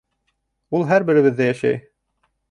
Ул һәр беребеҙҙә йәшәй.